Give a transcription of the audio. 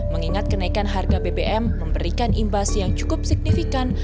mengingat kenaikan harga bbm memberikan imbas yang cukup signifikan